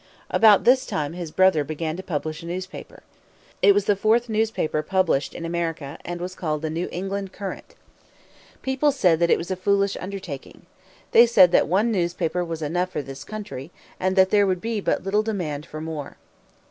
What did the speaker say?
About this time his brother began to publish a newspaper. It was the fourth newspaper published in America, and was called the New England Courant. People said that it was a foolish undertaking. They said that one newspaper was enough for this country, and that there would be but little demand for more.